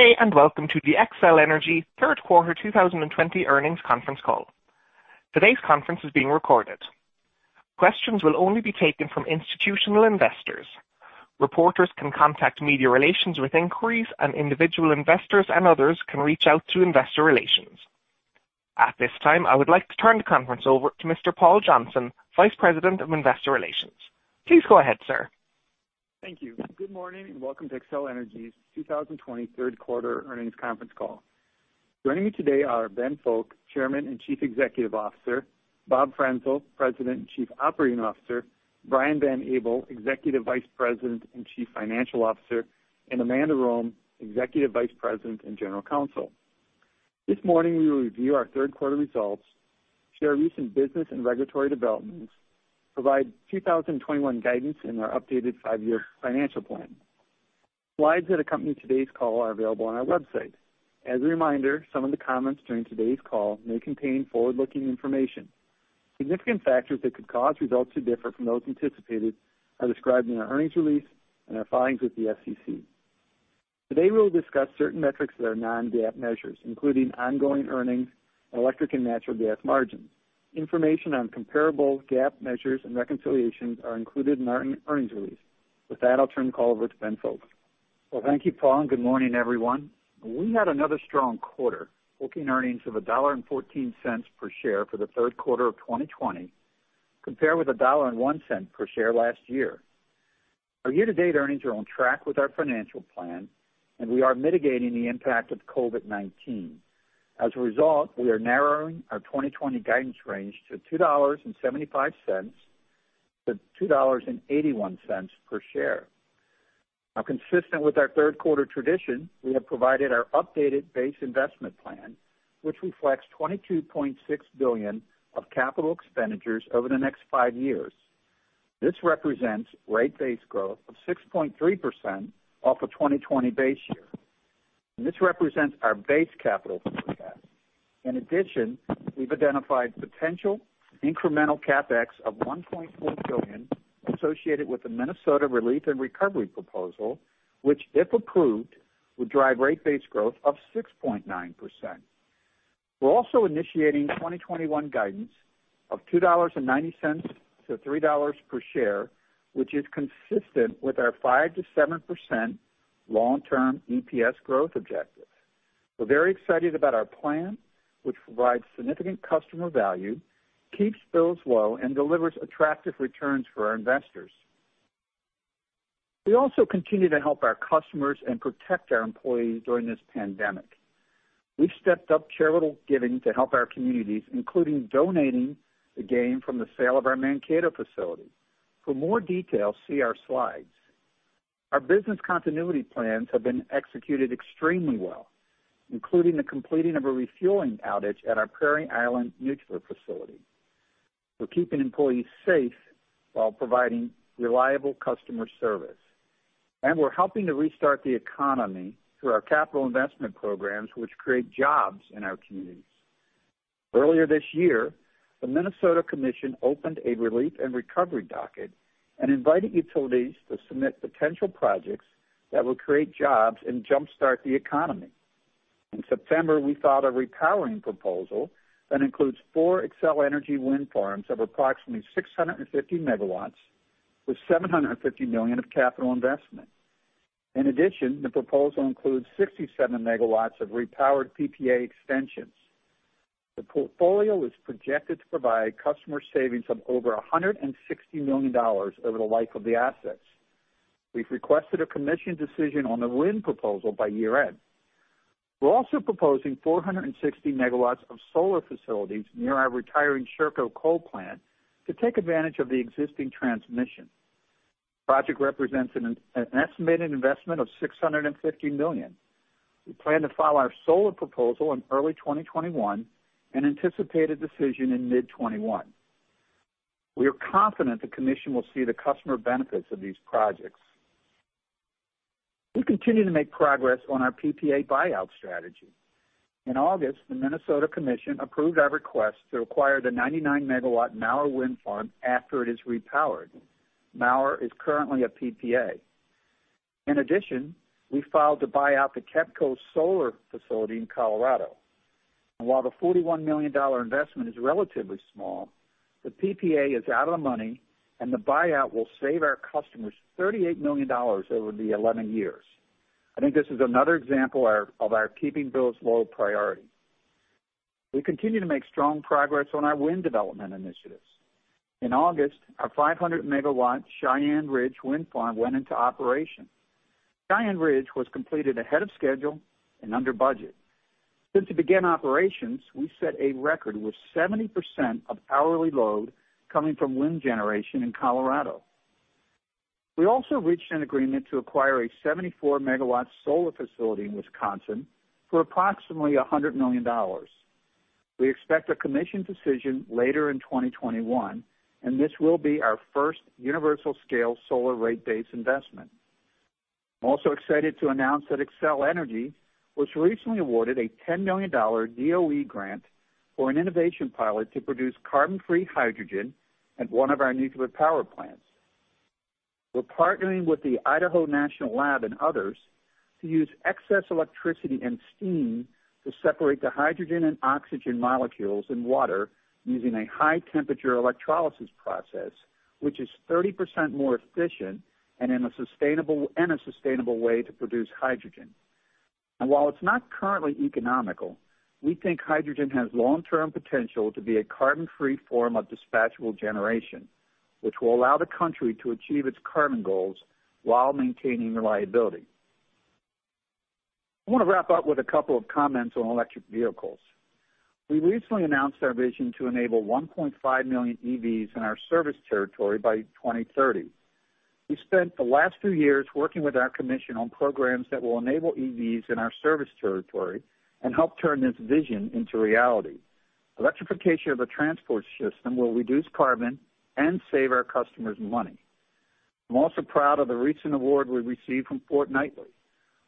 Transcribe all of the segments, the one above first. Good day, and welcome to the Xcel Energy Third Quarter 2020 earnings conference call. Today's conference is being recorded. Questions will only be taken from institutional investors. Reporters can contact Media Relations with inquiries, and individual investors and others can reach out to Investor Relations. At this time, I would like to turn the conference over to Mr. Paul Johnson, Vice President of Investor Relations. Please go ahead, sir. Thank you. Good morning, and welcome to Xcel Energy's 2020 third quarter earnings conference call. Joining me today are Ben Fowke, Chairman and Chief Executive Officer, Bob Frenzel, President and Chief Operating Officer, Brian Van Abel, Executive Vice President and Chief Financial Officer, and Amanda Rome, Executive Vice President and General Counsel. This morning, we will review our third quarter results, share recent business and regulatory developments, provide 2021 guidance in our updated five-year financial plan. Slides that accompany today's call are available on our website. As a reminder, some of the comments during today's call may contain forward-looking information. Significant factors that could cause results to differ from those anticipated are described in our earnings release and our filings with the SEC. Today, we will discuss certain metrics that are non-GAAP measures, including ongoing earnings and electric and natural gas margins. Information on comparable GAAP measures and reconciliations are included in our earnings release. With that, I'll turn the call over to Ben Fowke. Well, thank you, Paul. Good morning, everyone. We had another strong quarter, booking earnings of $1.14 per share for the third quarter of 2020, compared with $1.01 per share last year. Our year-to-date earnings are on track with our financial plan. We are mitigating the impact of COVID-19. As a result, we are narrowing our 2020 guidance range to $2.75 to $2.81 per share. Now, consistent with our third quarter tradition, we have provided our updated base investment plan, which reflects $22.6 billion of capital expenditures over the next five years. This represents rate base growth of 6.3% off of 2020 base year. This represents our base capital forecast. In addition, we've identified potential incremental CapEx of $1.4 billion associated with the Minnesota Relief and Recovery proposal, which if approved, would drive rate base growth of 6.9%. We're also initiating 2021 guidance of $2.90-$3 per share, which is consistent with our 5%-7% long-term EPS growth objective. We're very excited about our plan, which provides significant customer value, keeps bills low, and delivers attractive returns for our investors. We also continue to help our customers and protect our employees during this pandemic. We've stepped up charitable giving to help our communities, including donating the gain from the sale of our Mankato facility. For more details, see our slides. Our business continuity plans have been executed extremely well, including the completing of a refueling outage at our Prairie Island nuclear facility. We're keeping employees safe while providing reliable customer service. We're helping to restart the economy through our capital investment programs, which create jobs in our communities. Earlier this year, the Minnesota Commission opened a Minnesota Relief and Recovery docket and invited utilities to submit potential projects that will create jobs and jumpstart the economy. In September, we filed a repowering proposal that includes four Xcel Energy wind farms of approximately 650 MW with $750 million of capital investment. In addition, the proposal includes 67 MW of repowered PPA extensions. The portfolio is projected to provide customer savings of over $160 million over the life of the assets. We've requested a commission decision on the wind proposal by year-end. We're also proposing 460 MW of solar facilities near our retiring Sherco coal plant to take advantage of the existing transmission. The project represents an estimated investment of $650 million. We plan to file our solar proposal in early 2021 and anticipate a decision in mid 2021. We are confident the commission will see the customer benefits of these projects. We continue to make progress on our PPA buyout strategy. In August, the Minnesota Commission approved our request to acquire the 99-megawatt Mower Wind Farm after it is repowered. Mauer is currently a PPA. While the $41 million investment is relatively small, the PPA is out of the money, and the buyout will save our customers $38 million over the 11 years. I think this is another example of our keeping bills low priority. We continue to make strong progress on our wind development initiatives. In August, our 500-megawatt Cheyenne Ridge Wind Farm went into operation. Cheyenne Ridge was completed ahead of schedule and under budget. Since it began operations, we set a record with 70% of hourly load coming from wind generation in Colorado. We also reached an agreement to acquire a 74-megawatt solar facility in Wisconsin for approximately $100 million. We expect a commission decision later in 2021. This will be our first universal scale solar rate base investment. I'm also excited to announce that Xcel Energy was recently awarded a $10 million DOE grant for an innovation pilot to produce carbon-free hydrogen at one of our nuclear power plants. We're partnering with the Idaho National Lab and others to use excess electricity and steam to separate the hydrogen and oxygen molecules in water using a high-temperature electrolysis process, which is 30% more efficient and a sustainable way to produce hydrogen. While it's not currently economical, we think hydrogen has long-term potential to be a carbon-free form of dispatchable generation, which will allow the country to achieve its carbon goals while maintaining reliability. I want to wrap up with a couple of comments on electric vehicles. We recently announced our vision to enable 1.5 million EVs in our service territory by 2030. We spent the last few years working with our commission on programs that will enable EVs in our service territory and help turn this vision into reality. Electrification of the transport system will reduce carbon and save our customers money. I'm also proud of the recent award we received from Fortnightly,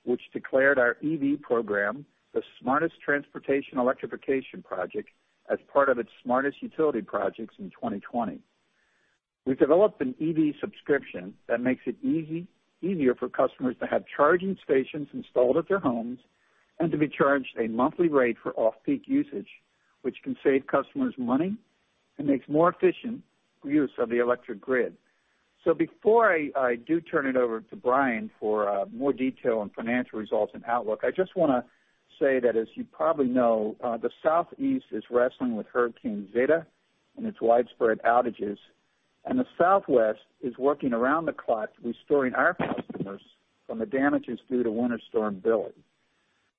which declared our EV program the Smartest Transportation Electrification Project as part of its Smartest Utility Projects in 2020. We've developed an EV subscription that makes it easier for customers to have charging stations installed at their homes and to be charged a monthly rate for off-peak usage, which can save customers money and makes more efficient use of the electric grid. Before I do turn it over to Brian for more detail on financial results and outlook, I just want to say that as you probably know, the Southeast is wrestling with Hurricane Zeta and its widespread outages, and the Southwest is working around the clock restoring our customers from the damages due to Winter Storm Billy.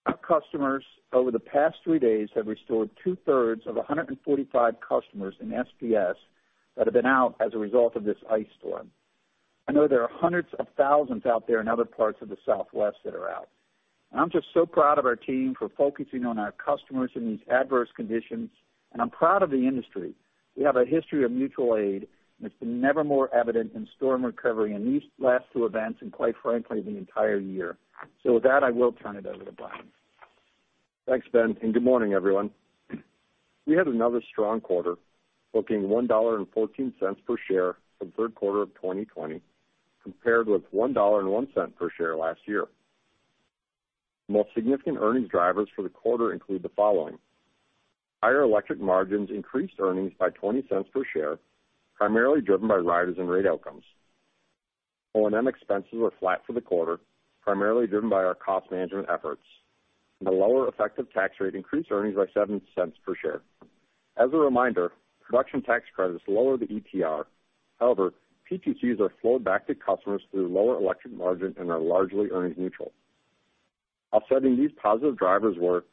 Our customers over the past three days have restored two-thirds of 145 customers in SPS that have been out as a result of this ice storm. I know there are hundreds of thousands out there in other parts of the Southwest that are out. I'm just so proud of our team for focusing on our customers in these adverse conditions, and I'm proud of the industry. We have a history of mutual aid, and it's been never more evident in storm recovery in these last two events and quite frankly, the entire year. With that, I will turn it over to Brian. Thanks, Ben. Good morning, everyone. We had another strong quarter, booking $1.14 per share for the third quarter of 2020, compared with $1.01 per share last year. The most significant earnings drivers for the quarter include the following. Higher electric margins increased earnings by $0.20 per share, primarily driven by riders and rate outcomes. O&M expenses are flat for the quarter, primarily driven by our cost management efforts. The lower effective tax rate increased earnings by $0.07 per share. As a reminder, production tax credits lower the ETR. However, PTCs are flowed back to customers through lower electric margin and are largely earnings neutral. Offsetting these positive drivers were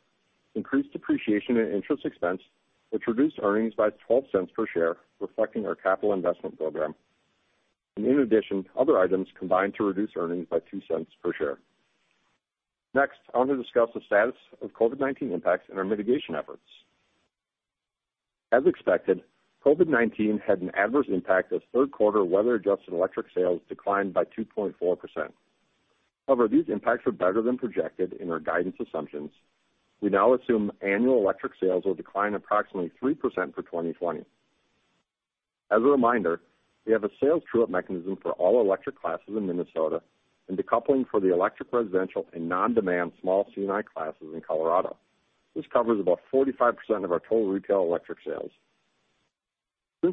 increased depreciation and interest expense, which reduced earnings by $0.12 per share, reflecting our capital investment program. In addition, other items combined to reduce earnings by $0.02 per share. Next, I want to discuss the status of COVID-19 impacts and our mitigation efforts. As expected, COVID-19 had an adverse impact as third quarter weather-adjusted electric sales declined by 2.4%. These impacts were better than projected in our guidance assumptions. We now assume annual electric sales will decline approximately 3% for 2020. As a reminder, we have a sales true-up mechanism for all electric classes in Minnesota and decoupling for the electric residential and non-demand small C&I classes in Colorado. This covers about 45% of our total retail electric sales.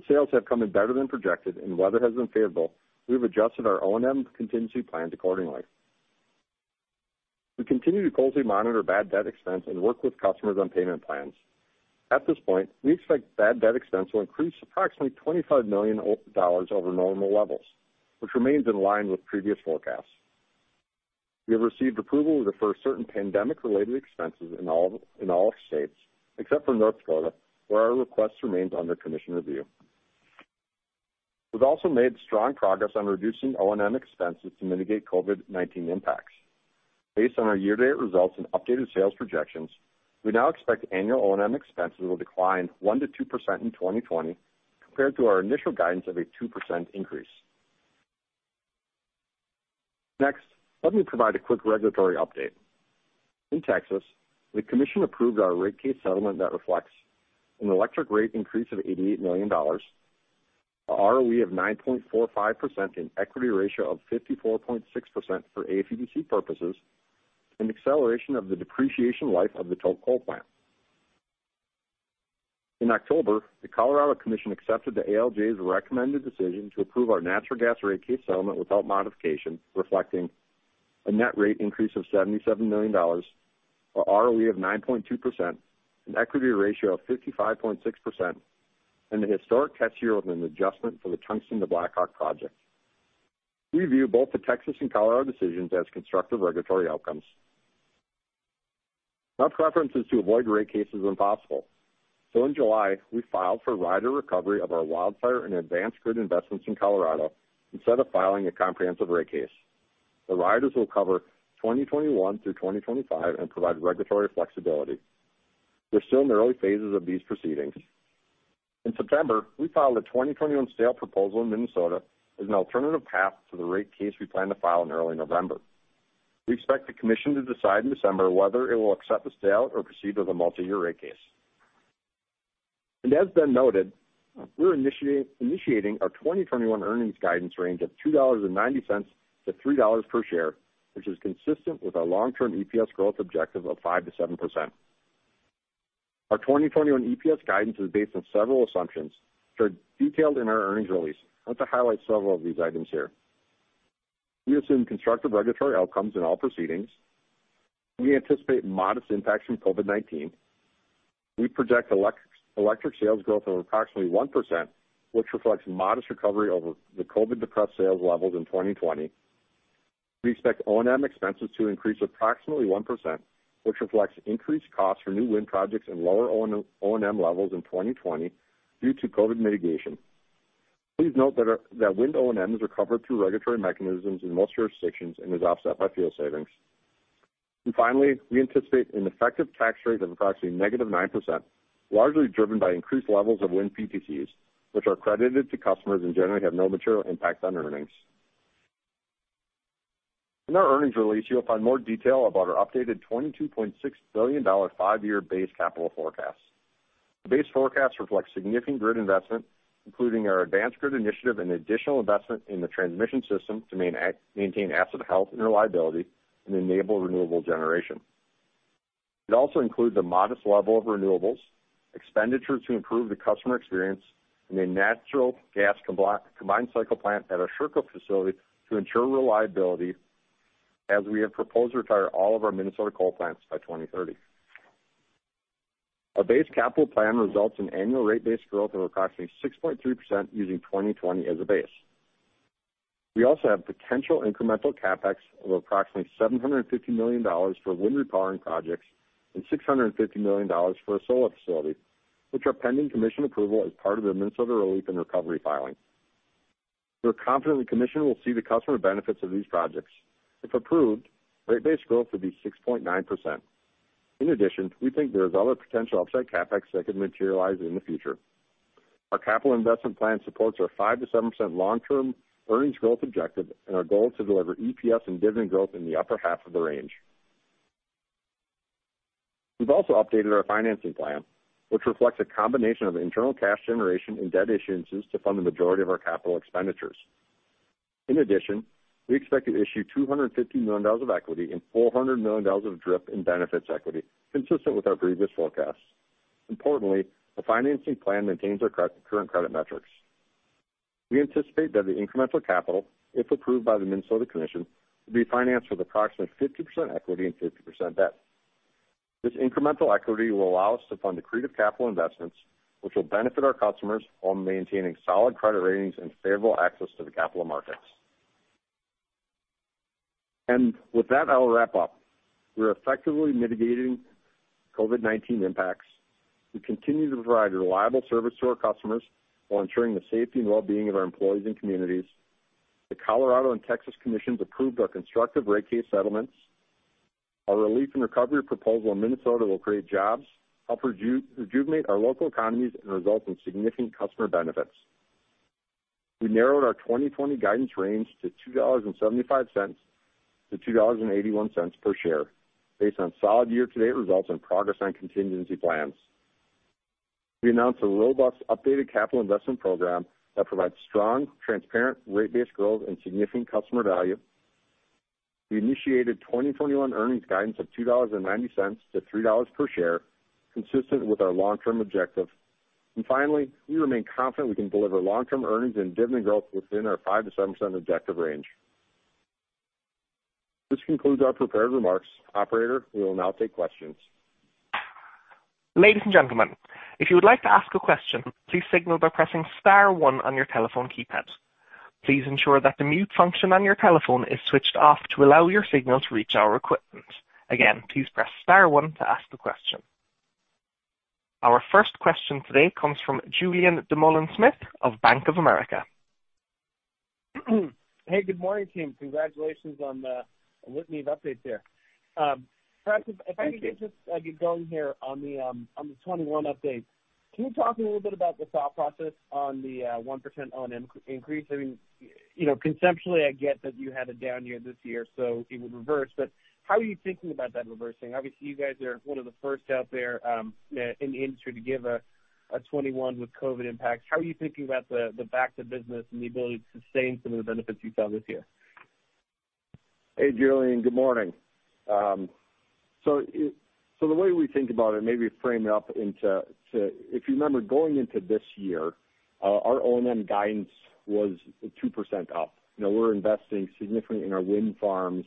Sales have come in better than projected and weather has been favorable, we've adjusted our O&M contingency plans accordingly. We continue to closely monitor bad debt expense and work with customers on payment plans. At this point, we expect bad debt expense will increase approximately $25 million over normal levels, which remains in line with previous forecasts. We have received approval to defer certain pandemic-related expenses in all states, except for North Dakota, where our request remains under commission review. We've also made strong progress on reducing O&M expenses to mitigate COVID-19 impacts. Based on our year-to-date results and updated sales projections, we now expect annual O&M expenses will decline 1% to 2% in 2020, compared to our initial guidance of a 2% increase. Let me provide a quick regulatory update. In Texas, the commission approved our rate case settlement that reflects an electric rate increase of $88 million, a ROE of 9.45%, an equity ratio of 54.6% for AFDC purposes, an acceleration of the depreciation life of the Tolk coal plant. In October, the Colorado Commission accepted the ALJ's recommended decision to approve our natural gas rate case settlement without modification, reflecting a net rate increase of $77 million, a ROE of 9.2%, an equity ratio of 55.6%, and the historic catch year with an adjustment for the Tungsten to Blackhawk project. We view both the Texas and Colorado decisions as constructive regulatory outcomes. Our preference is to avoid rate cases when possible. In July, we filed for rider recovery of our wildfire and advanced grid investments in Colorado instead of filing a comprehensive rate case. The riders will cover 2021 through 2025 and provide regulatory flexibility. We're still in the early phases of these proceedings. In September, we filed a 2021 stay out proposal in Minnesota as an alternative path to the rate case we plan to file in early November. We expect the commission to decide in December whether it will accept the stay out or proceed with a multi-year rate case. As Ben noted, we're initiating our 2021 earnings guidance range of $2.90 to $3 per share, which is consistent with our long-term EPS growth objective of 5%-7%. Our 2021 EPS guidance is based on several assumptions, which are detailed in our earnings release. I'd like to highlight several of these items here. We assume constructive regulatory outcomes in all proceedings. We anticipate modest impacts from COVID-19. We project electric sales growth of approximately 1%, which reflects modest recovery over the COVID-depressed sales levels in 2020. We expect O&M expenses to increase approximately 1%, which reflects increased costs for new wind projects and lower O&M levels in 2020 due to COVID mitigation. Please note that wind O&M is recovered through regulatory mechanisms in most jurisdictions and is offset by fuel savings. Finally, we anticipate an effective tax rate of approximately negative 9%, largely driven by increased levels of wind PTCs, which are credited to customers and generally have no material impact on earnings. In our earnings release, you'll find more detail about our updated $22.6 billion five-year base capital forecast. The base forecast reflects significant grid investment, including our Advanced Grid Initiative and additional investment in the transmission system to maintain asset health and reliability and enable renewable generation. It also includes a modest level of renewables, expenditures to improve the customer experience, and a natural gas combined cycle plant at our Sherco facility to ensure reliability, as we have proposed to retire all of our Minnesota coal plants by 2030. Our base capital plan results in annual rate base growth of approximately 6.3% using 2020 as a base. We also have potential incremental CapEx of approximately $750 million for wind repowering projects and $650 million for a solar facility, which are pending commission approval as part of the Minnesota Relief and Recovery filing. We're confident the commission will see the customer benefits of these projects. If approved, rate base growth would be 6.9%. In addition, we think there is other potential offset CapEx that could materialize in the future. Our capital investment plan supports our 5%-7% long-term earnings growth objective and our goal to deliver EPS and dividend growth in the upper half of the range. We've also updated our financing plan, which reflects a combination of internal cash generation and debt issuances to fund the majority of our capital expenditures. In addition, we expect to issue $250 million of equity and $400 million of DRIP and benefits equity, consistent with our previous forecasts. Importantly, the financing plan maintains our current credit metrics. We anticipate that the incremental capital, if approved by the Minnesota Commission, will be financed with approximately 50% equity and 50% debt. This incremental equity will allow us to fund accretive capital investments, which will benefit our customers while maintaining solid credit ratings and favorable access to the capital markets. With that, I'll wrap up. We're effectively mitigating COVID-19 impacts. We continue to provide a reliable service to our customers while ensuring the safety and well-being of our employees and communities. The Colorado and Texas commissions approved our constructive rate case settlements. Our Relief and Recovery proposal in Minnesota will create jobs, help rejuvenate our local economies, and result in significant customer benefits. We narrowed our 2020 guidance range to $2.75-$2.81 per share based on solid year-to-date results and progress on contingency plans. We announced a robust updated capital investment program that provides strong, transparent rate base growth and significant customer value. We initiated 2021 earnings guidance of $2.90-$3 per share, consistent with our long-term objective. Finally, we remain confident we can deliver long-term earnings and dividend growth within our 5%-7% objective range. This concludes our prepared remarks. Operator, we will now take questions. Ladies and gentlemen, if you would like to ask a question, please signal by pressing *1 on your telephone keypad. Please ensure that the mute function on your telephone is switched off to allow your signal to reach our equipment. Again, please press *1 to ask the question. Our first question today comes from Julien Dumoulin-Smith of Bank of America. Hey, good morning, team. Congratulations on the litany of updates there. Thank you. If I could get you going here on the 2021 update. Can you talk a little bit about the thought process on the 1% O&M increase? Conceptually, I get that you had a down year this year, so it would reverse, but how are you thinking about that reversing? Obviously, you guys are one of the first out there in the industry to give a 2021 with COVID-19 impact. How are you thinking about the back of business and the ability to sustain some of the benefits you saw this year? Julien. Good morning. The way we think about it, maybe frame it up into, if you remember, going into this year, our O&M guidance was 2% up. We're investing significantly in our wind farms,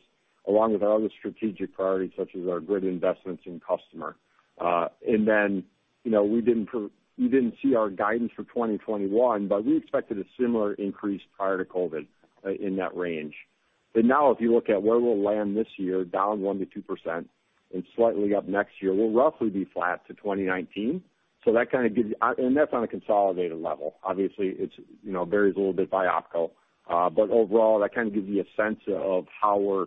along with our other strategic priorities, such as our grid investments and customer. We didn't see our guidance for 2021, but we expected a similar increase prior to COVID in that range. If you look at where we'll land this year, down 1%-2% and slightly up next year, we'll roughly be flat to 2019. That's on a consolidated level. Obviously, it varies a little bit by OpCo. Overall, that kind of gives you a sense of how we're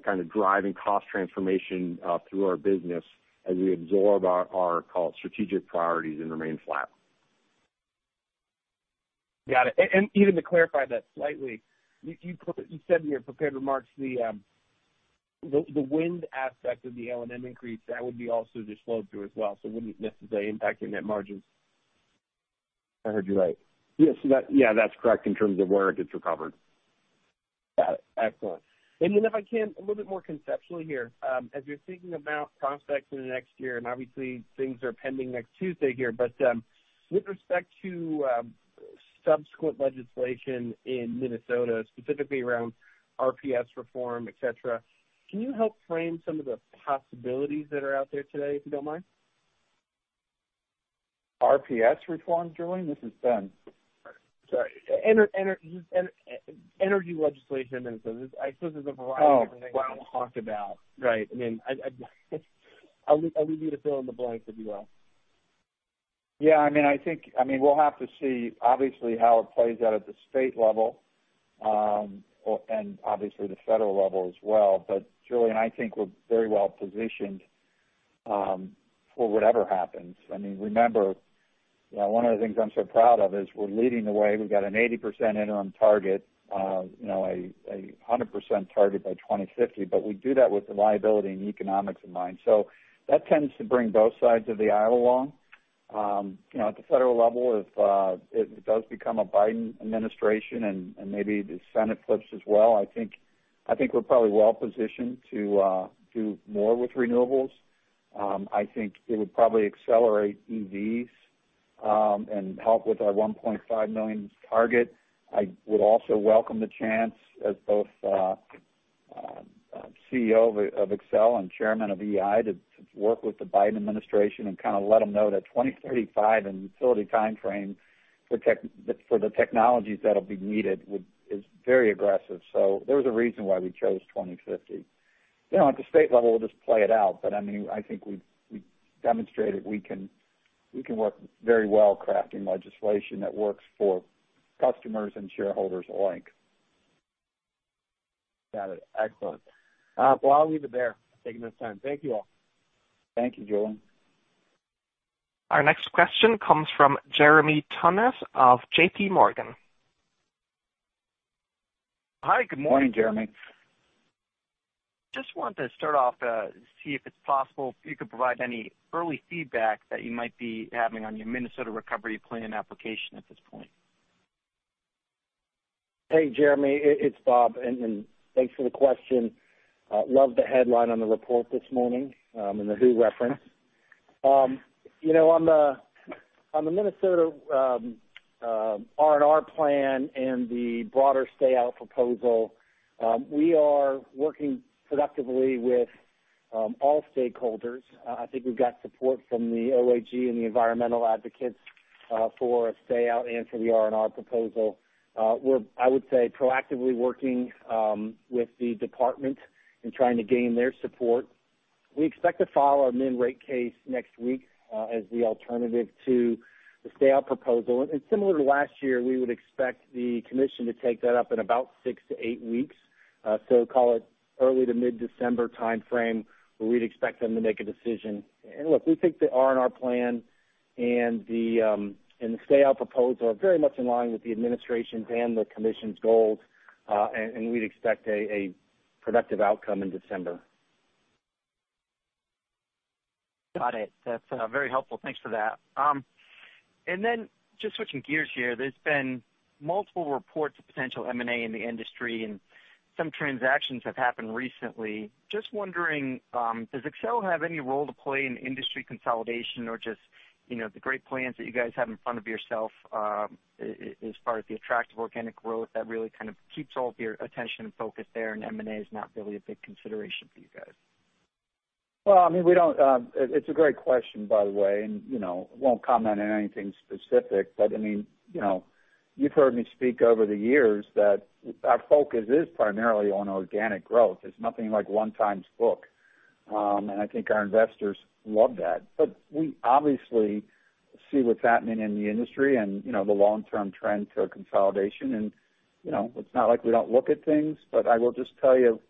kind of driving cost transformation through our business as we absorb our strategic priorities and remain flat. Got it. Even to clarify that slightly, you said in your prepared remarks, the wind aspect of the LNM increase, that would be also just flowed through as well, so it wouldn't necessarily impact your net margins. If I heard you right. Yes. That's correct in terms of where it gets recovered. Got it. Excellent. If I can, a little bit more conceptually here, as you're thinking about prospects in the next year, and obviously things are pending next Tuesday here. With respect to subsequent legislation in Minnesota, specifically around RPS reform, et cetera, can you help frame some of the possibilities that are out there today, if you don't mind? RPS reform, Julien? This is Ben. Sorry. Energy legislation in Minnesota. I suppose there's a variety of different things. Oh, wow. I'll talk about. Right. I'll leave you to fill in the blanks, if you will. Yeah. We'll have to see, obviously, how it plays out at the state level, and obviously the federal level as well. Julien, I think we're very well-positioned for whatever happens. Remember, one of the things I'm so proud of is we're leading the way. We've got an 80% interim target, a 100% target by 2050. We do that with reliability and economics in mind. That tends to bring both sides of the aisle along. At the federal level, if it does become a Biden administration and maybe the Senate flips as well, I think we're probably well-positioned to do more with renewables. I think it would probably accelerate EVs, and help with our 1.5 million target. I would also welcome the chance as both CEO of Xcel and Chairman of EEI to work with the Biden administration and kind of let them know that 2035 and utility timeframe for the technologies that'll be needed is very aggressive. There was a reason why we chose 2050. At the state level, we'll just play it out. I think we demonstrated we can work very well crafting legislation that works for customers and shareholders alike. Got it. Excellent. Well, I'll leave it there. Thank you for your time. Thank you all. Thank you, Julien. Our next question comes from Jeremy Tonet of JPMorgan. Hi, good morning. Morning, Jeremy. Just wanted to start off, see if it's possible, if you could provide any early feedback that you might be having on your Minnesota recovery plan application at this point. Hey, Jeremy, it's Bob. Thanks for the question. Loved the headline on the report this morning, and the Who reference. On the Minnesota R&R plan and the broader stay-out proposal, we are working productively with all stakeholders. I think we've got support from the OAG and the environmental advocates for a stay-out and for the R&R proposal. We're, I would say, proactively working with the department and trying to gain their support. We expect to file our MIN rate case next week as the alternative to the stay-out proposal. Similar to last year, we would expect the commission to take that up in about 6 to 8 weeks. Call it early to mid-December timeframe, where we'd expect them to make a decision. Look, we think the R&R plan and the stay-out proposal are very much in line with the administration's and the commission's goals. We'd expect a productive outcome in December. Got it. That's very helpful. Thanks for that. Just switching gears here, there's been multiple reports of potential M&A in the industry, and some transactions have happened recently. Just wondering, does Xcel have any role to play in industry consolidation or just the great plans that you guys have in front of yourself as far as the attractive organic growth that really kind of keeps all of your attention and focus there, and M&A is not really a big consideration for you guys? It's a great question, by the way, and won't comment on anything specific, but you've heard me speak over the years that our focus is primarily on organic growth. It's nothing like one times book. I think our investors love that. We obviously see what's happening in the industry and the long-term trend toward consolidation. It's not like we don't look at things, but I will just tell you,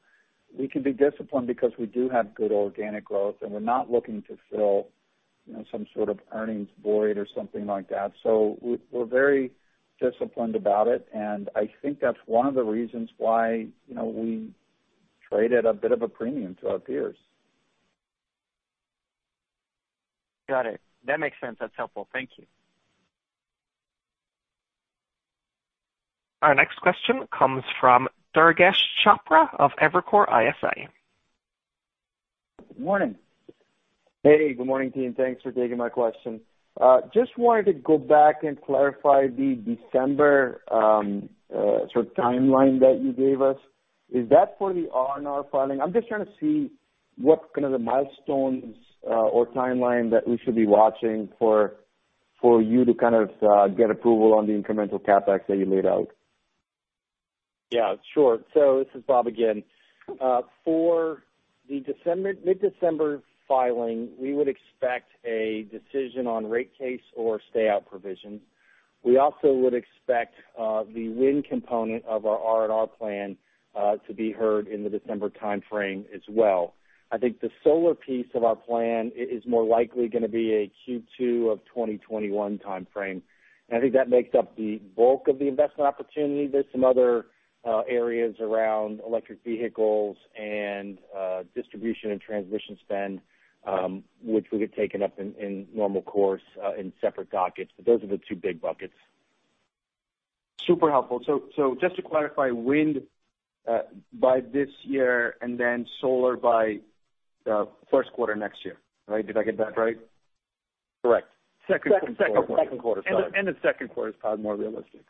we can be disciplined because we do have good organic growth, and we're not looking to fill some sort of earnings void or something like that. We're very disciplined about it, and I think that's one of the reasons why we trade at a bit of a premium to our peers. Got it. That makes sense. That's helpful. Thank you. Our next question comes from Durgesh Chopra of Evercore ISI. Good morning. Hey, good morning, team. Thanks for taking my question. Just wanted to go back and clarify the December sort of timeline that you gave us. Is that for the R&R filing? I'm just trying to see what kind of the milestones or timeline that we should be watching for you to kind of get approval on the incremental CapEx that you laid out. Yeah, sure. This is Bob again. The mid-December filing, we would expect a decision on rate case or stay-out provision. We also would expect the wind component of our R&R plan to be heard in the December timeframe as well. I think the solar piece of our plan is more likely going to be a Q2 of 2021 timeframe. I think that makes up the bulk of the investment opportunity. There's some other areas around electric vehicles and distribution and transmission spend, which will get taken up in normal course in separate dockets. Those are the two big buckets. Super helpful. Just to clarify, wind by this year and then solar by first quarter next year, right? Did I get that right? Correct. Second quarter. Second quarter. End of second quarter is probably more realistic.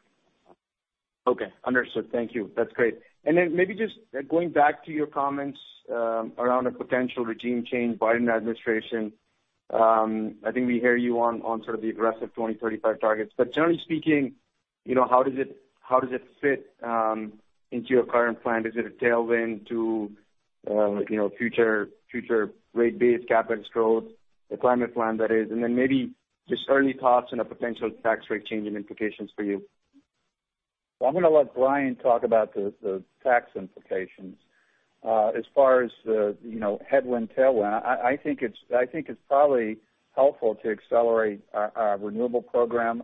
Okay, understood. Thank you. That's great. Maybe just going back to your comments around a potential regime change, Biden administration. I think we hear you on sort of the aggressive 2035 targets. Generally speaking, how does it fit into your current plan? Is it a tailwind to future rate base, CapEx growth, the climate plan, that is? Maybe just early thoughts on a potential tax rate change and implications for you. Well, I'm going to let Brian talk about the tax implications. As far as the headwind, tailwind, I think it's probably helpful to accelerate our renewable program.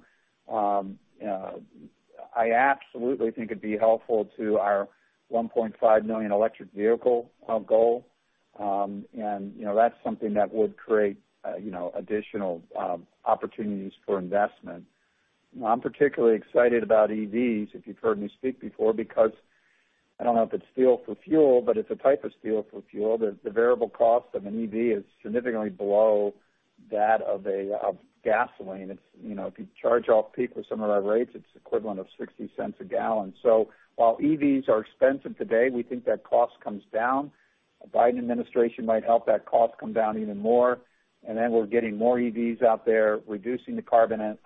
I absolutely think it'd be helpful to our 1.5 million electric vehicle goal. That's something that would create additional opportunities for investment. I'm particularly excited about EVs, if you've heard me speak before, because I don't know if it's fuel for fuel, but it's a type of fuel for fuel. The variable cost of an EV is significantly below that of gasoline. If you charge off-peak with some of our rates, it's equivalent of $0.60 a gallon. While EVs are expensive today, we think that cost comes down. A Biden administration might help that cost come down even more. We're getting more EVs out there, reducing the carbon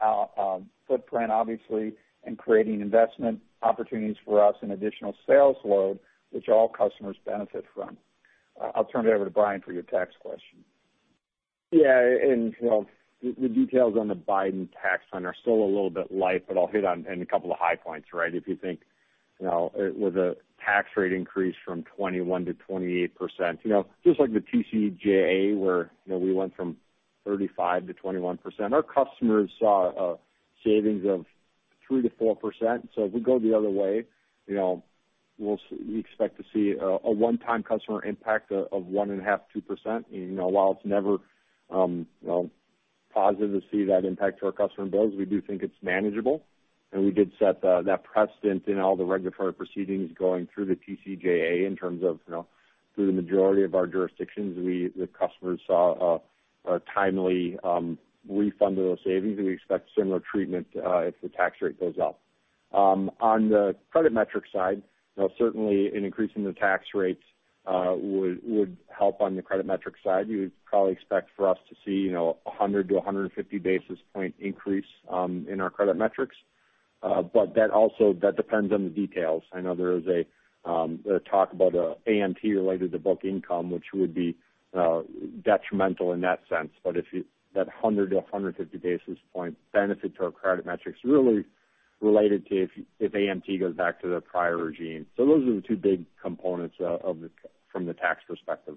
footprint, obviously, and creating investment opportunities for us and additional sales load, which all customers benefit from. I'll turn it over to Brian for your tax question. Yeah. The details on the Biden tax plan are still a little bit light, but I'll hit on a couple of high points. If you think with a tax rate increase from 21% to 28%, just like the TCJA where we went from 35% to 21%, our customers saw a savings of 3% to 4%. If we go the other way, we expect to see a one-time customer impact of 1.5%-2%. While it's never positive to see that impact to our customer bills, we do think it's manageable. We did set that precedent in all the regulatory proceedings going through the TCJA in terms of through the majority of our jurisdictions, the customers saw a timely refund of those savings, and we expect similar treatment if the tax rate goes up. On the credit metric side, certainly an increase in the tax rates would help on the credit metric side. You would probably expect for us to see 100-150 basis point increase in our credit metrics. That also depends on the details. I know there is a talk about AMT related to book income, which would be detrimental in that sense. That 100-150 basis point benefit to our credit metrics really related to if AMT goes back to their prior regime. Those are the two big components from the tax perspective.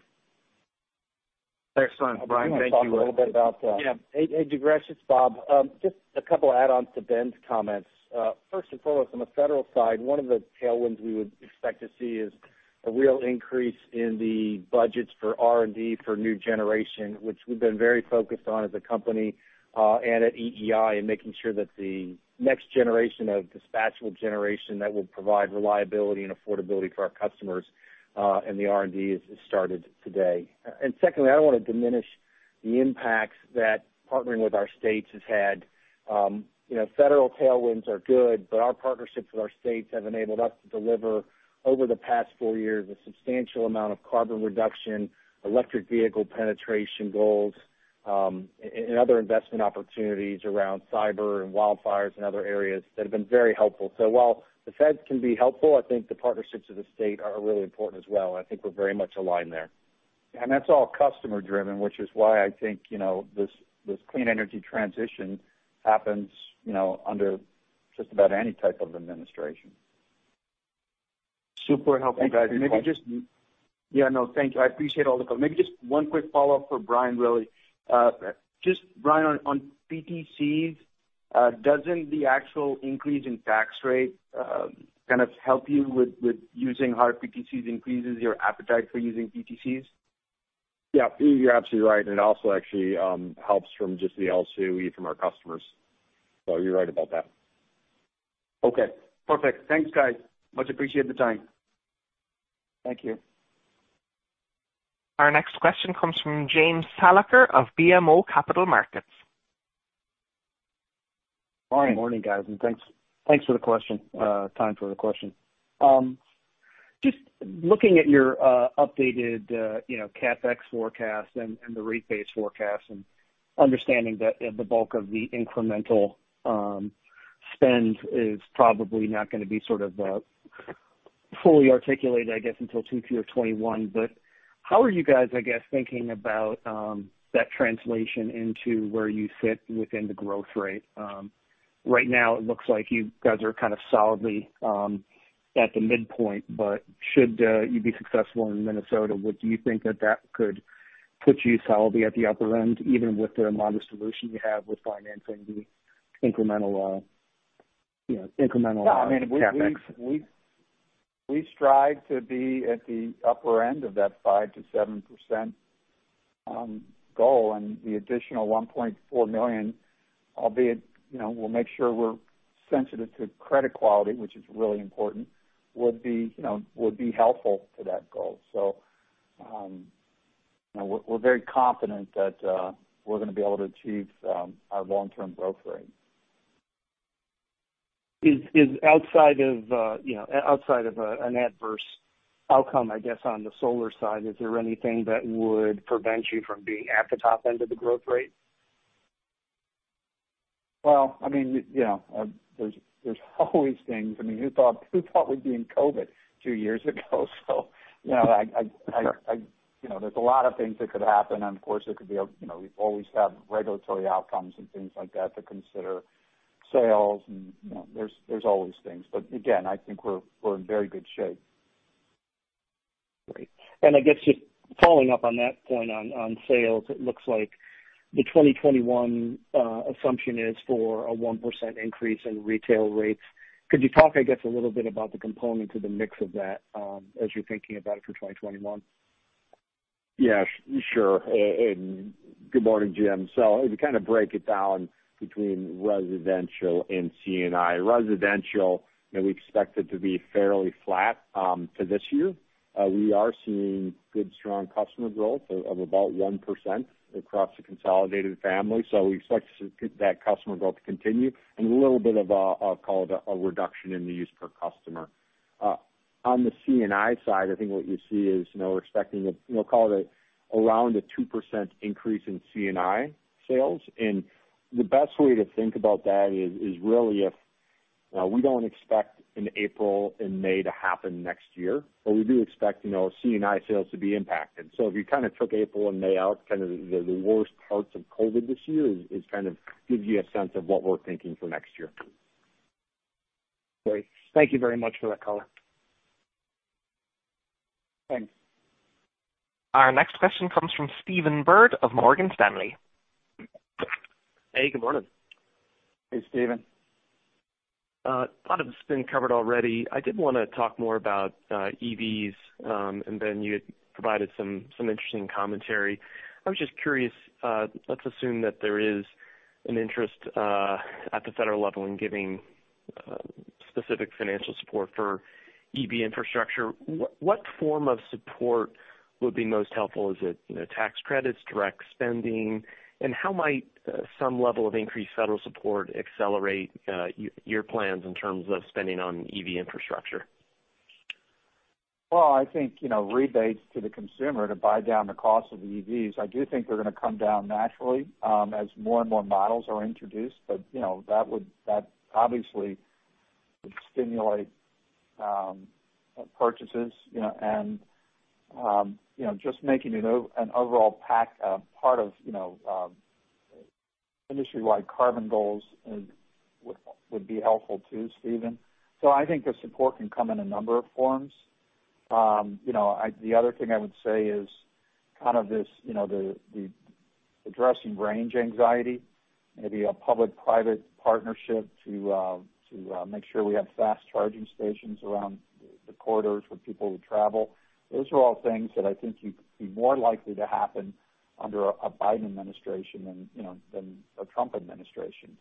Excellent, Brian. Thank you. I want to talk a little bit about that. Yeah. Hey, Durgesh, it's Bob. Just a couple add-ons to Ben's comments. First and foremost, on the federal side, one of the tailwinds we would expect to see is a real increase in the budgets for R&D for new generation, which we've been very focused on as a company and at EEI in making sure that the next generation of dispatchable generation that will provide reliability and affordability for our customers and the R&D is started today. Secondly, I don't want to diminish the impacts that partnering with our states has had. Federal tailwinds are good, but our partnerships with our states have enabled us to deliver over the past four years a substantial amount of carbon reduction, electric vehicle penetration goals, and other investment opportunities around cyber and wildfires and other areas that have been very helpful. While the feds can be helpful, I think the partnerships of the state are really important as well, and I think we're very much aligned there. That's all customer-driven, which is why I think this clean energy transition happens under just about any type of administration. Super helpful, guys. Thank you. Yeah, no, thank you. I appreciate all the color. Just one quick follow-up for Brian, really. Brian, on PTCs, doesn't the actual increase in tax rate kind of help you with using higher PTCs, increases your appetite for using PTCs? Yeah, you're absolutely right. It also actually helps from just the LCOE from our customers. You're right about that. Okay, perfect. Thanks, guys. Much appreciate the time. Thank you. Our next question comes from James Thalacker of BMO Capital Markets. Morning. Good morning, guys, and thanks for the time for the question. Just looking at your updated CapEx forecast and the rate base forecast and understanding that the bulk of the incremental. Spend is probably not going to be fully articulated, I guess, until 2Q of 2021. How are you guys, I guess, thinking about that translation into where you sit within the growth rate? Right now, it looks like you guys are kind of solidly at the midpoint, but should you be successful in Minnesota, do you think that that could put you solidly at the upper end, even with the amount of solution you have with financing the incremental CapEx? We strive to be at the upper end of that 5%-7% goal. The additional $1.4 million, albeit, we'll make sure we're sensitive to credit quality, which is really important, would be helpful to that goal. We're very confident that we're going to be able to achieve our long-term growth rate. Is outside of an adverse outcome, I guess, on the solar side, is there anything that would prevent you from being at the top end of the growth rate? Well, there's always things. I mean, who thought we'd be in COVID two years ago? There's a lot of things that could happen. Of course, we always have regulatory outcomes and things like that to consider, sales, and there's always things. Again, I think we're in very good shape. Great. I guess just following up on that point on sales, it looks like the 2021 assumption is for a 1% increase in retail rates. Could you talk, I guess, a little bit about the component to the mix of that as you're thinking about it for 2021? Yes, sure. Good morning, Jim. To kind of break it down between residential and C&I. Residential, we expect it to be fairly flat for this year. We are seeing good, strong customer growth of about 1% across the consolidated family. We expect that customer growth to continue, and a little bit of, I'll call it, a reduction in the use per customer. On the C&I side, I think what you see is we're expecting, we'll call it, around a 2% increase in C&I sales. The best way to think about that is really if we don't expect an April and May to happen next year, but we do expect C&I sales to be impacted. If you took April and May out, the worst parts of COVID-19 this year, it kind of gives you a sense of what we're thinking for next year. Great. Thank you very much for that color. Thanks. Our next question comes from Stephen Byrd of Morgan Stanley. Hey, good morning. Hey, Stephen. A lot of this has been covered already. I did want to talk more about EVs, and Ben, you had provided some interesting commentary. I was just curious. Let's assume that there is an interest at the federal level in giving specific financial support for EV infrastructure. What form of support would be most helpful? Is it tax credits, direct spending? How might some level of increased federal support accelerate your plans in terms of spending on EV infrastructure? Well, I think rebates to the consumer to buy down the cost of EVs. I do think they're going to come down naturally as more and more models are introduced. That obviously would stimulate purchases. Just making an overall part of industry-wide carbon goals would be helpful too, Stephen. I think the support can come in a number of forms. The other thing I would say is kind of the addressing range anxiety, maybe a public-private partnership to make sure we have fast charging stations around the corridors where people would travel. Those are all things that I think you could be more likely to happen under a Biden administration than a Trump administration.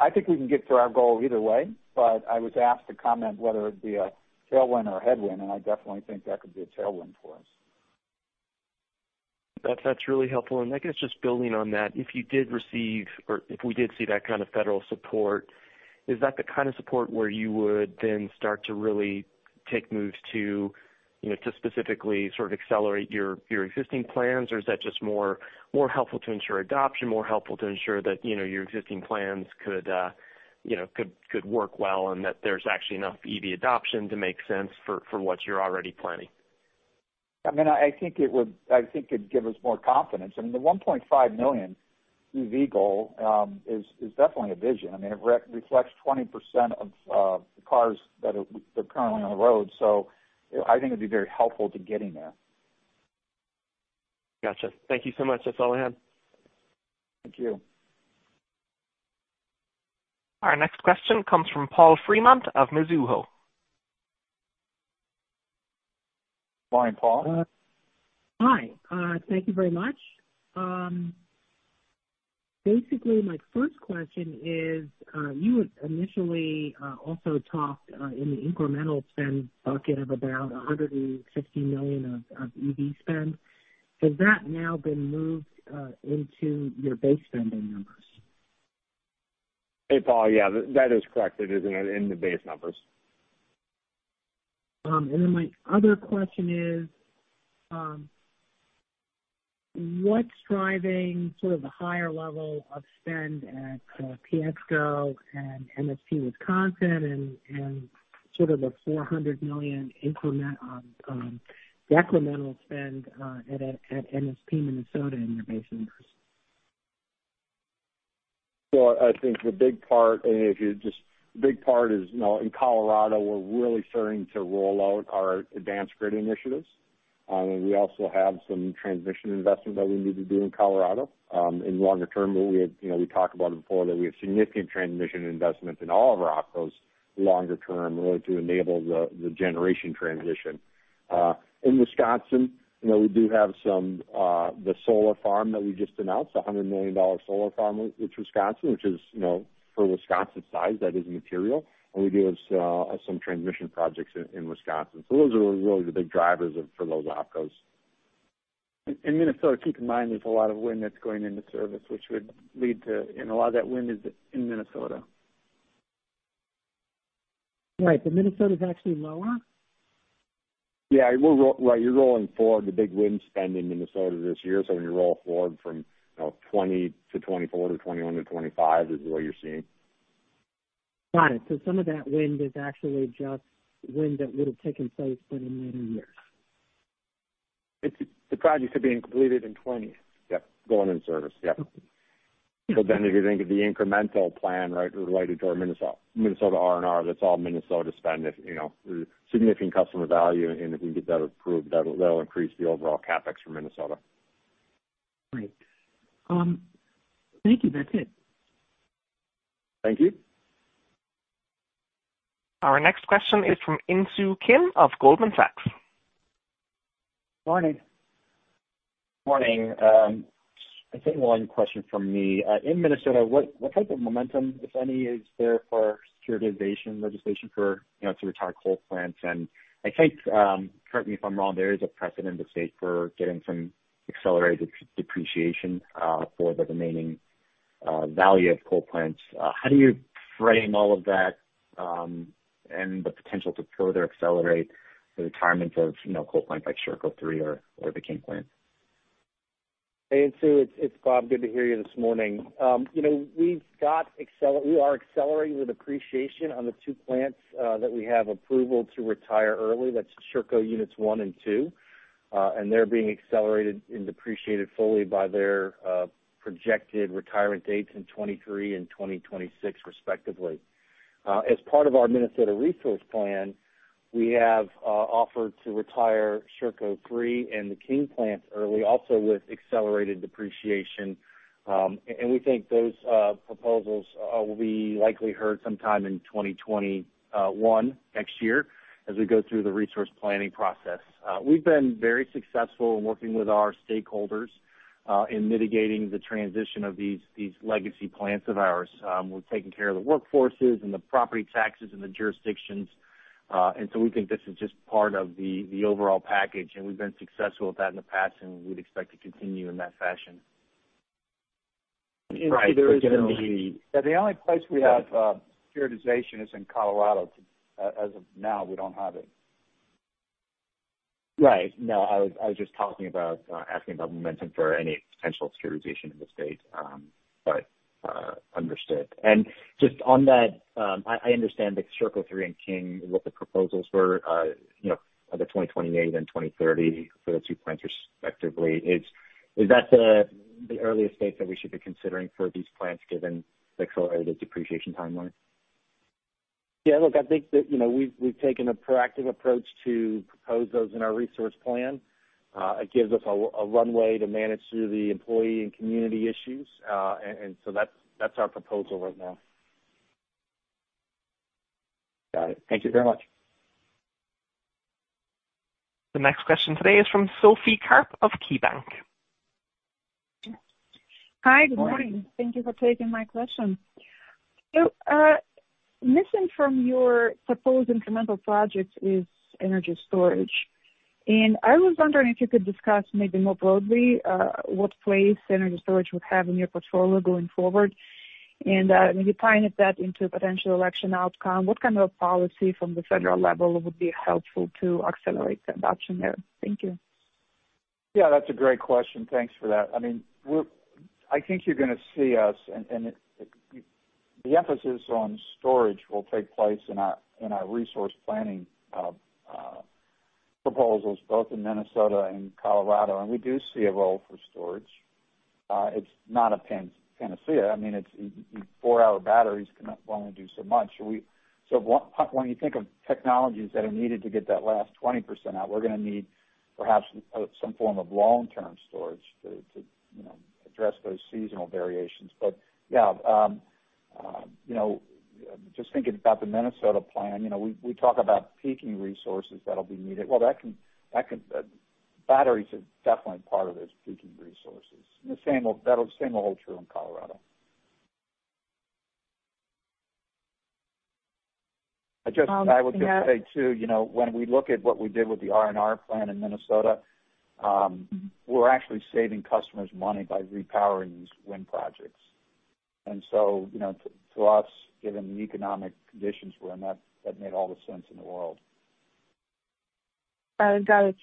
I think we can get to our goal either way, but I was asked to comment whether it'd be a tailwind or a headwind, and I definitely think that could be a tailwind for us. That's really helpful. I guess just building on that, if you did receive or if we did see that kind of federal support, is that the kind of support where you would then start to really take moves to specifically accelerate your existing plans? Is that just more helpful to ensure adoption, more helpful to ensure that your existing plans could work well, and that there's actually enough EV adoption to make sense for what you're already planning? I think it'd give us more confidence. I mean, the 1.5 million EV goal is definitely a vision. It reflects 20% of the cars that are currently on the road. I think it'd be very helpful to getting there. Got you. Thank you so much. That's all I had. Thank you. Our next question comes from Paul Fremont of Mizuho. Morning, Paul. Hi. Thank you very much. Basically, my first question is, you had initially also talked in the incremental spend bucket of about $160 million of EV spend. Has that now been moved into your base spending numbers? Hey, Paul. Yeah, that is correct. It is in the base numbers. My other question is, what's driving sort of the higher level of spend at PSCo and NSP Wisconsin and sort of the $400 million incremental spend at NSP Minnesota in your base interest? I think the big part is, in Colorado, we're really starting to roll out our Advanced Grid initiatives. We also have some transmission investment that we need to do in Colorado. In longer term, we talked about it before, that we have significant transmission investments in all of our OpCos longer term, really to enable the generation transition. In Wisconsin, we do have the solar farm that we just announced, a $100 million solar farm in Wisconsin, which for Wisconsin's size, that is material. We do have some transmission projects in Wisconsin. Those are really the big drivers for those OpCos. In Minnesota, keep in mind, there's a lot of wind that's going into service, which would lead to, and a lot of that wind is in Minnesota. Right. Minnesota is actually lower? Yeah. Well, you're rolling forward the big wind spend in Minnesota this year. When you roll forward from 20-24 to 21-25 is what you're seeing. Got it. Some of that wind is actually just wind that would have taken place but in later years. The projects are being completed in 2020. Yep. Going in service. Yep. If you think of the incremental plan, right, related to our Minnesota R&R, that's all Minnesota spend. If there's significant customer value, and if we can get that approved, that'll increase the overall CapEx for Minnesota. Right. Thank you. That's it. Thank you. Our next question is from Insoo Kim of Goldman Sachs. Morning. Morning. I think one question from me. In Minnesota, what type of momentum, if any, is there for securitization legislation to retire coal plants? I think, correct me if I'm wrong, there is a precedent to state for getting some accelerated depreciation for the remaining value of coal plants. How do you frame all of that? The potential to further accelerate the retirement of coal plants like Sherco 3 or the King Plant. Hey, Insoo, it's Bob. Good to hear you this morning. We are accelerating the depreciation on the two plants that we have approval to retire early. That's Sherco units one and two. They're being accelerated and depreciated fully by their projected retirement dates in 2023 and 2026 respectively. As part of our Minnesota resource plan, we have offered to retire Sherco three and the King Plant early, also with accelerated depreciation. We think those proposals will be likely heard sometime in 2021, next year, as we go through the resource planning process. We've been very successful in working with our stakeholders in mitigating the transition of these legacy plants of ours. We're taking care of the workforces and the property taxes and the jurisdictions. We think this is just part of the overall package, and we've been successful with that in the past, and we'd expect to continue in that fashion. The only place we have securitization is in Colorado. As of now, we don't have it. Right. No, I was just asking about momentum for any potential securitization in the state. Understood. Just on that, I understand that Sherco three and King, what the proposals were, the 2028 and 2030 for the two plants respectively. Is that the earliest date that we should be considering for these plants given the accelerated depreciation timeline? Yeah, look, I think that we've taken a proactive approach to propose those in our resource plan. It gives us a runway to manage through the employee and community issues. That's our proposal right now. Got it. Thank you very much. The next question today is from Sophie Karp of KeyBanc. Hi. Good morning. Thank you for taking my question. Missing from your proposed incremental projects is energy storage. I was wondering if you could discuss maybe more broadly what place energy storage would have in your portfolio going forward. Maybe tying that into a potential election outcome, what kind of policy from the federal level would be helpful to accelerate the adoption there? Thank you. Yeah, that's a great question. Thanks for that. I think you're going to see us, the emphasis on storage will take place in our resource planning proposals both in Minnesota and Colorado. We do see a role for storage. It's not a panacea. Four-hour batteries can only do so much. When you think of technologies that are needed to get that last 20% out, we're going to need perhaps some form of long-term storage to address those seasonal variations. Yeah, just thinking about the Minnesota plan, we talk about peaking resources that'll be needed. Well, batteries are definitely part of those peaking resources. The same will hold true in Colorado. I would just say, too when we look at what we did with the R&R plan in Minnesota, we're actually saving customers money by repowering these wind projects. To us, given the economic conditions we're in, that made all the sense in the world. Got it.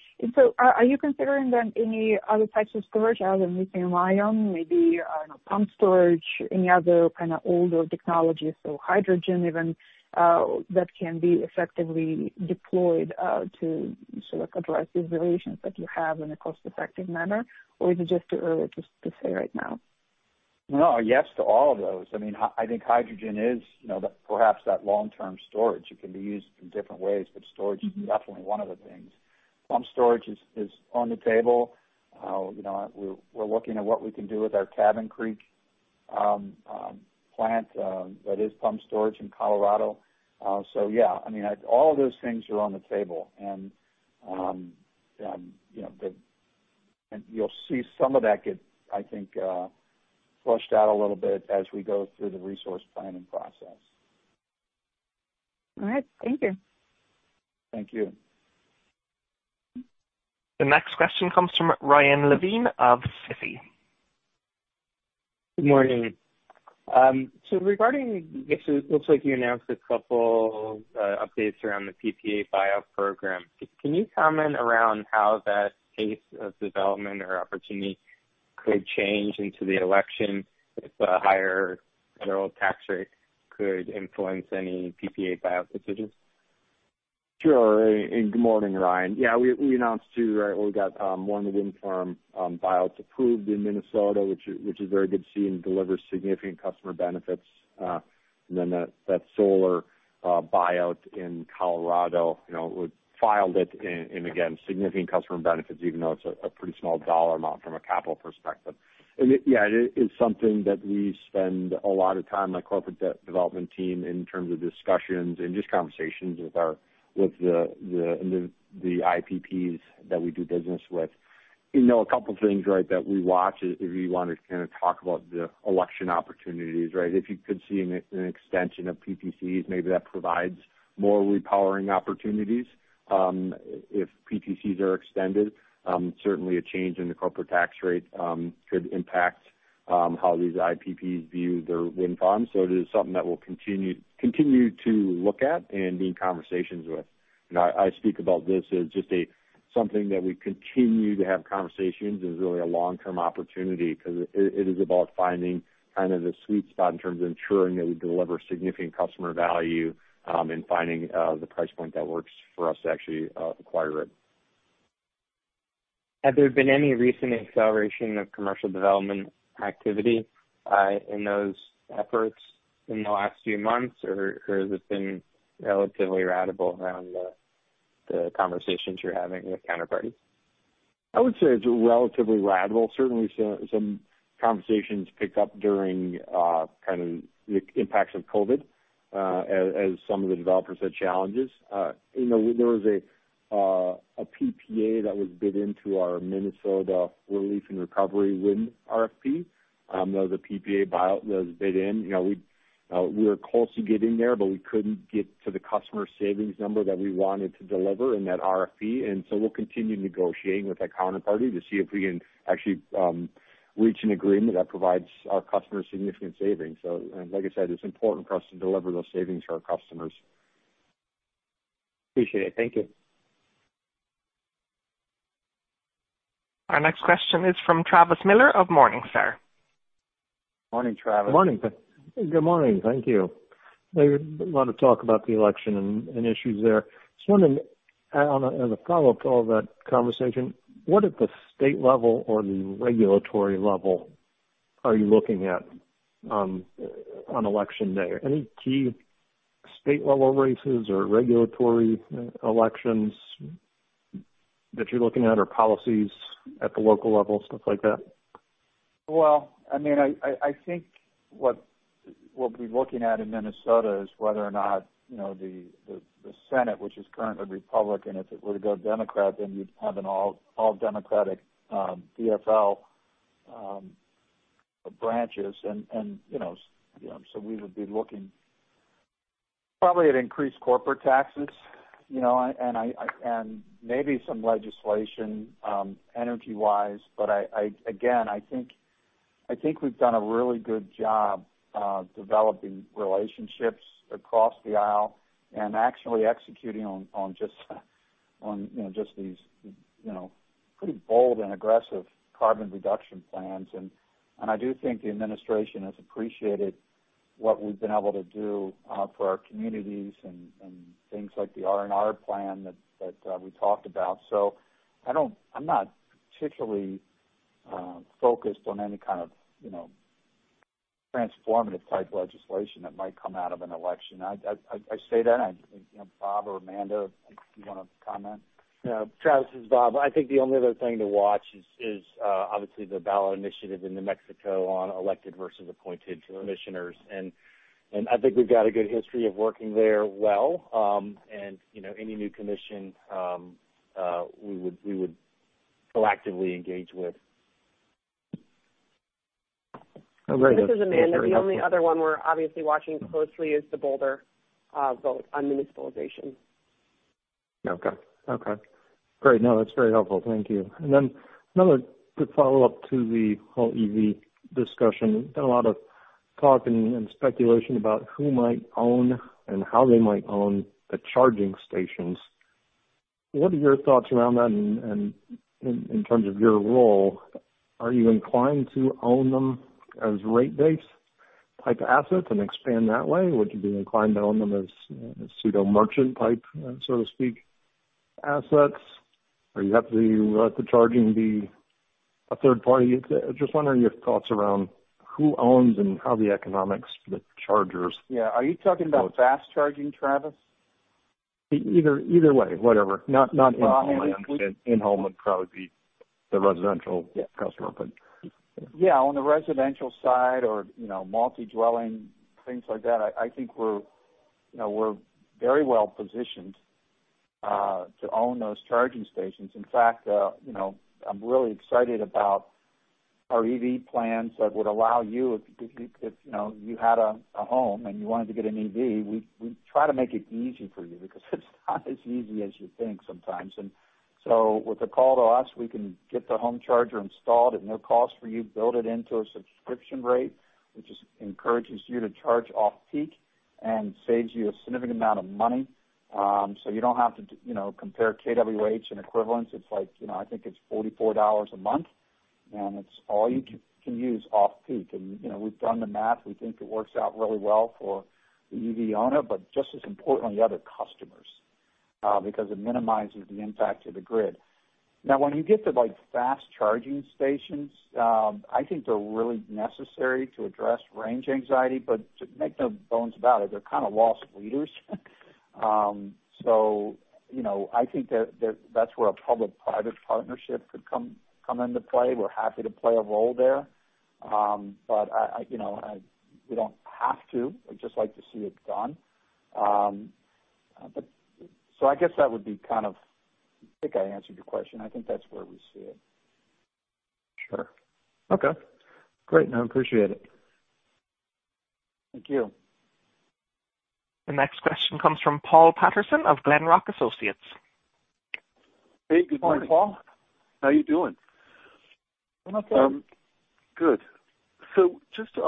Are you considering then any other types of storage other than lithium-ion, maybe pump storage, any other kind of older technologies or hydrogen even, that can be effectively deployed to address these variations that you have in a cost-effective manner? Is it just too early to say right now? No. Yes to all of those. I think hydrogen is perhaps that long-term storage. It can be used in different ways, but storage is definitely one of the things. Pump storage is on the table. We're looking at what we can do with our Cabin Creek plant. That is pump storage in Colorado. Yes. All those things are on the table, and you'll see some of that get, I think, flushed out a little bit as we go through the resource planning process. All right. Thank you. Thank you. The next question comes from Ryan Levine of Citi. Good morning. Regarding, it looks like you announced a couple updates around the PPA buyout program. Can you comment around how that pace of development or opportunity could change into the election if a higher federal tax rate could influence any PPA buyout decisions? Good morning, Ryan. We announced two. We got one wind farm buyouts approved in Minnesota, which is very good to see, and delivers significant customer benefits. That solar buyout in Colorado, filed it, and again, significant customer benefits, even though it's a pretty small dollar amount from a CapEx perspective. It is something that we spend a lot of time, my corporate development team, in terms of discussions and just conversations with the IPPs that we do business with. A couple things, right, that we watch, if you want to talk about the election opportunities. If you could see an extension of PTCs, maybe that provides more repowering opportunities. If PTCs are extended, certainly a change in the corporate tax rate could impact how these IPPs view their wind farms. It is something that we'll continue to look at and be in conversations with. I speak about this as just something that we continue to have conversations, is really a long-term opportunity, because it is about finding the sweet spot in terms of ensuring that we deliver significant customer value, and finding the price point that works for us to actually acquire it. Has there been any recent acceleration of commercial development activity in those efforts in the last few months, or has it been relatively ratable around the conversations you're having with counterparties? I would say it's relatively ratable. Certainly, some conversations picked up during the impacts of COVID, as some of the developers had challenges. There was a PPA that was bid into our Minnesota Relief and Recovery wind RFP. That was a PPA buyout that was bid in. We were close to getting there, but we couldn't get to the customer savings number that we wanted to deliver in that RFP. We'll continue negotiating with that counterparty to see if we can actually reach an agreement that provides our customers significant savings. Like I said, it's important for us to deliver those savings to our customers. Appreciate it. Thank you. Our next question is from Travis Miller of Morningstar. Morning, Travis. Morning. Good morning. Thank you. There's a lot of talk about the election and issues there. Just wondering, as a follow-up to all that conversation, what at the state level or the regulatory level are you looking at on election day? Any key state level races or regulatory elections that you're looking at, or policies at the local level, stuff like that? I think what we'll be looking at in Minnesota is whether or not the Senate, which is currently Republican, if it were to go Democrat, then you'd have an all Democratic DFL branches. We would be looking probably at increased corporate taxes, and maybe some legislation, energy-wise. Again, I think we've done a really good job developing relationships across the aisle and actually executing on just these pretty bold and aggressive carbon reduction plans. I do think the administration has appreciated what we've been able to do for our communities and things like the R&R plan that we talked about. I'm not particularly focused on any kind of transformative type legislation that might come out of an election. I say that. Bob or Amanda, if you want to comment. Travis, this is Bob. I think the only other thing to watch is obviously the ballot initiative in New Mexico on elected versus appointed commissioners. I think we've got a good history of working there well. Any new commission we would proactively engage with. All right. This is Amanda. The only other one we're obviously watching closely is the Boulder vote on municipalization. Okay. Great. No, that's very helpful. Thank you. Then another good follow-up to the whole EV discussion. There's been a lot of talk and speculation about who might own and how they might own the charging stations. What are your thoughts around that and in terms of your role, are you inclined to own them as rate base-type assets and expand that way? Would you be inclined to own them as pseudo-merchant type, so to speak, assets? Are you happy to let the charging be a third party? Just wondering your thoughts around who owns and how the economics for the chargers. Yeah. Are you talking about fast charging, Travis? Either way, whatever. Not in-home. In-home would probably be the residential customer. Yeah. On the residential side or multi-dwelling, things like that, I think we're very well-positioned to own those charging stations. In fact, I'm really excited about our EV plans that would allow you, if you had a home and you wanted to get an EV, we'd try to make it easy for you because it's not as easy as you think sometimes. With a call to us, we can get the home charger installed at no cost for you, build it into a subscription rate, which encourages you to charge off-peak and saves you a significant amount of money. You don't have to compare kWh in equivalence. I think it's $44 a month, and it's all you can use off-peak. We've done the math. We think it works out really well for the EV owner, but just as importantly, the other customers, because it minimizes the impact to the grid. When you get to fast-charging stations, I think they're really necessary to address range anxiety, but make no bones about it, they're kind of loss leaders. I think that's where a public-private partnership could come into play. We're happy to play a role there. We don't have to. We just like to see it done. I guess that would be I think I answered your question. I think that's where we see it. Sure. Okay, great. No, I appreciate it. Thank you. The next question comes from Paul Patterson of Glenrock Associates. Hey, good morning. Good morning, Paul. How are you doing? I'm okay. Good. Just quick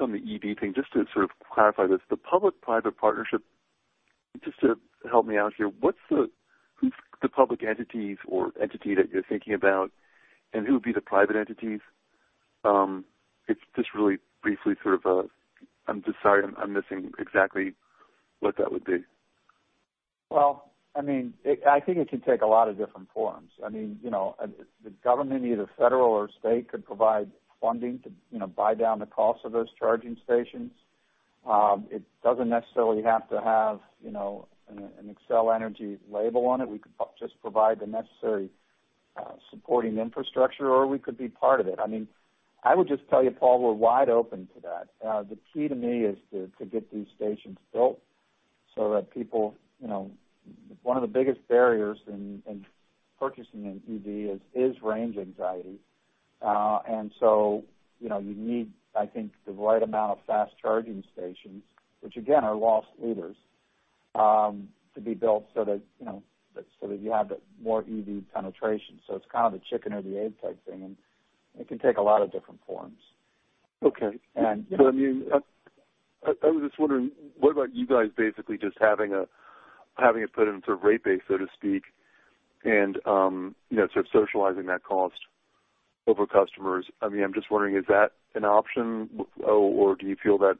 on the EV thing, just to sort of clarify this, the public-private partnership, just to help me out here, who's the public entities or entity that you're thinking about, and who would be the private entities? If just really briefly sort of, I'm just sorry I'm missing exactly what that would be. Well, I think it can take a lot of different forms. The government, either federal or state, could provide funding to buy down the cost of those charging stations. It doesn't necessarily have to have an Xcel Energy label on it. We could just provide the necessary supporting infrastructure, or we could be part of it. I would just tell you, Paul, we're wide open to that. The key to me is to get these stations built so that one of the biggest barriers in purchasing an EV is range anxiety. You need, I think, the right amount of fast-charging stations, which again, are loss leaders, to be built so that you have more EV penetration. It's kind of the chicken or the egg type thing, and it can take a lot of different forms. Okay. I was just wondering, what about you guys basically just having it put in sort of rate base, so to speak, and sort of socializing that cost over customers? I'm just wondering, is that an option, or do you feel that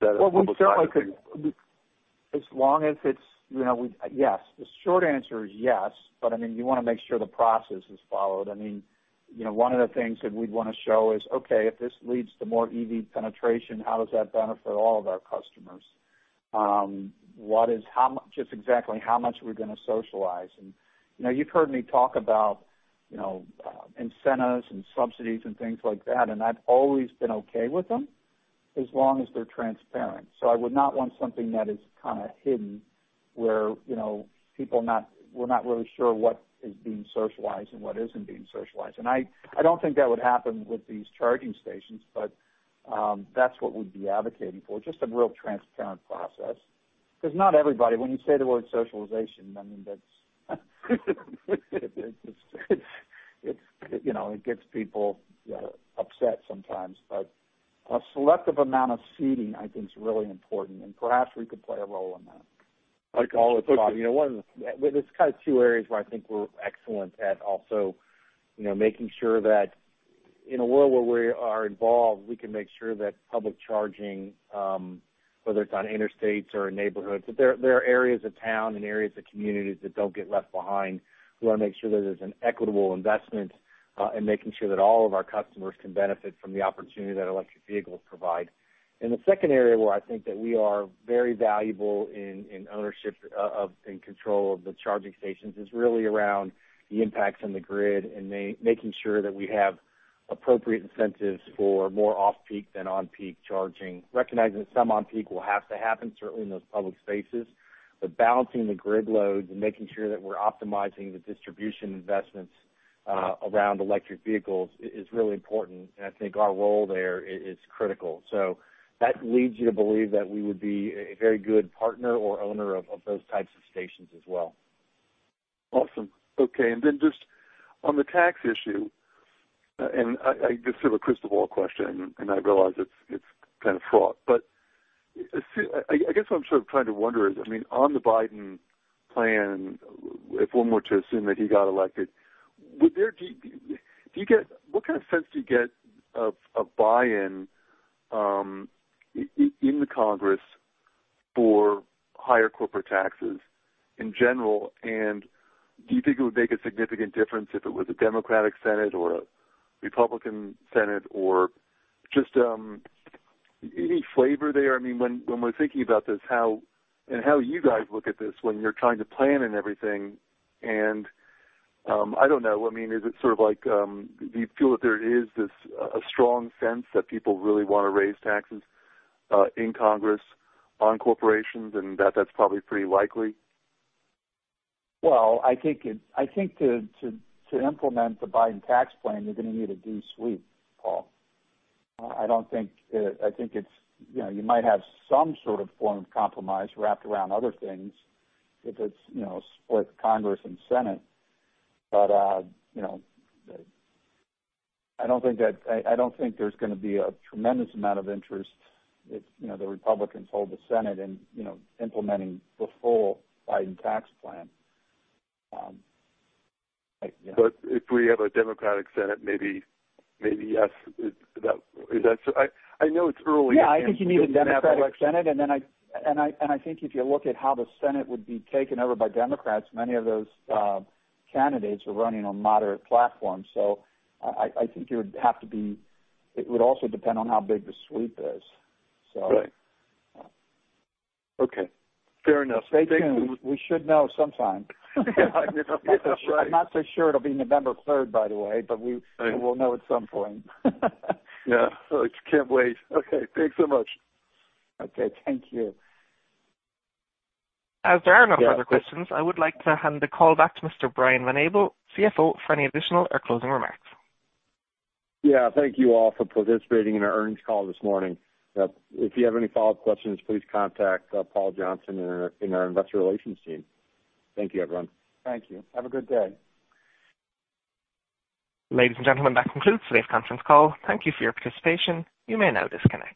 that is? Well, we certainly could. Yes. The short answer is yes. You want to make sure the process is followed. One of the things that we'd want to show is, okay, if this leads to more EV penetration, how does that benefit all of our customers? Just exactly how much are we going to socialize? You've heard me talk about incentives and subsidies and things like that, and I've always been okay with them as long as they're transparent. I would not want something that is kind of hidden where people we're not really sure what is being socialized and what isn't being socialized. I don't think that would happen with these charging stations, but that's what we'd be advocating for, just a real transparent process. Not everybody, when you say the word socialization, I mean, that's it gets people upset sometimes. A selective amount of seeding, I think, is really important, and perhaps we could play a role in that. There's kind of two areas where I think we're excellent at also making sure that in a world where we are involved, we can make sure that public charging, whether it's on interstates or in neighborhoods, that there are areas of town and areas of communities that don't get left behind. We want to make sure that there's an equitable investment in making sure that all of our customers can benefit from the opportunity that electric vehicles provide. The second area where I think that we are very valuable in ownership and control of the charging stations is really around the impacts on the grid and making sure that we have appropriate incentives for more off-peak than on-peak charging. Recognizing that some on-peak will have to happen, certainly in those public spaces. Balancing the grid loads and making sure that we're optimizing the distribution investments Around electric vehicles is really important, and I think our role there is critical. That leads you to believe that we would be a very good partner or owner of those types of stations as well. Awesome. Okay, then just on the tax issue, this is a crystal ball question, I realize it's kind of fraught. I guess what I'm sort of trying to wonder is, on the Biden plan, if one were to assume that he got elected, what kind of sense do you get of buy-in in the Congress for higher corporate taxes in general? Do you think it would make a significant difference if it was a Democratic Senate or a Republican Senate or just any flavor there? When we're thinking about this, how you guys look at this when you're trying to plan and everything, I don't know. Do you feel that there is a strong sense that people really want to raise taxes in Congress on corporations, and that's probably pretty likely? Well, I think to implement the Biden tax plan, you're going to need a D sweep, Paul. I think you might have some sort of form of compromise wrapped around other things if it's split Congress and Senate. I don't think there's going to be a tremendous amount of interest if the Republicans hold the Senate in implementing the full Biden tax plan. If we have a Democratic Senate, maybe, yes. I know it's early. Yeah, I think you need a Democratic Senate, and I think if you look at how the Senate would be taken over by Democrats, many of those candidates are running on moderate platforms. I think it would also depend on how big the sweep is. Right. Okay. Fair enough. Stay tuned. We should know sometime. Right. I'm not so sure it'll be November 3rd, by the way, but we will know at some point. Yeah. I can't wait. Okay, thanks so much. Okay, thank you. As there are no further questions, I would like to hand the call back to Mr. Brian Van Abel, CFO, for any additional or closing remarks. Yeah. Thank you all for participating in our earnings call this morning. If you have any follow-up questions, please contact Paul Johnson in our investor relations team. Thank you, everyone. Thank you. Have a good day. Ladies and gentlemen, that concludes today's conference call. Thank you for your participation. You may now disconnect.